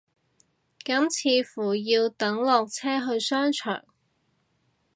咁似乎要等落車去商場